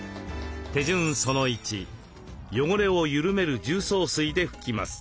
手順その１汚れを緩める重曹水で拭きます。